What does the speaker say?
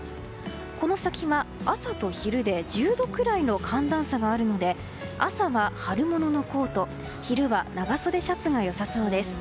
この先は、朝と昼で１０度くらいの寒暖差があるので朝は春物のコート昼は長袖シャツが良さそうです。